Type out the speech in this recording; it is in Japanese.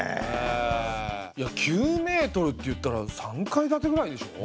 ９メートルっていったら３階建てぐらいでしょ？